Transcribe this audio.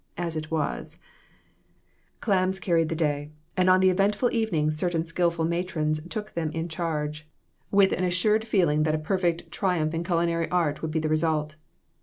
As it was Clams carried the day, and on the eventful evening certain skillful matrons took them in CROSS LOTS. 199 charge, with an assured feeling that a perfect triumph in culinary art would be the result.